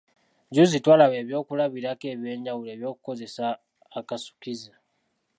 Jjuuzi twalaba ebyokulabirako eby’enjawulo eby'okukozesa akasukkize.